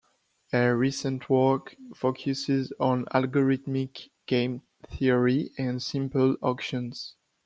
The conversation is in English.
Her recent work focuses on algorithmic game theory and simple auctions.